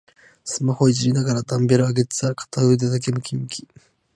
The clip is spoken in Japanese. スマホいじりながらダンベル上げてたら片腕だけムキムキ